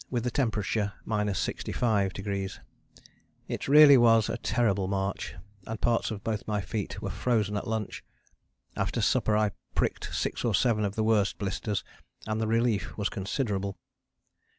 with the temperature 65°. It really was a terrible march, and parts of both my feet were frozen at lunch. After supper I pricked six or seven of the worst blisters, and the relief was considerable.